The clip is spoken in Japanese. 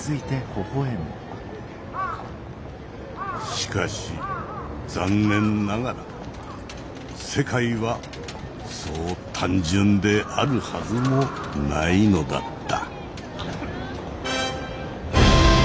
しかし残念ながら世界はそう単純であるはずもないのだった。